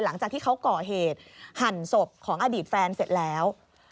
หลังจากที่เขาก่อเหตุหั่นศพของอดีตแฟนเสร็จแล้ว